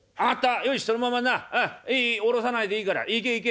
よしそのままないい下ろさないでいいから行け行け。